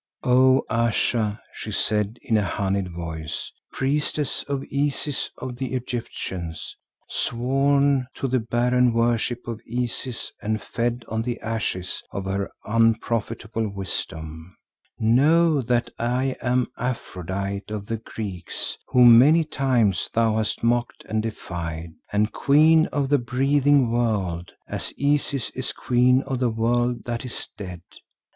"'O Ayesha,' she said in a honeyed voice, 'priestess of Isis of the Egyptians, sworn to the barren worship of Isis and fed on the ashes of her unprofitable wisdom, know that I am Aphrodite of the Greeks whom many times thou hast mocked and defied, and Queen of the breathing world, as Isis is Queen of the world that is dead.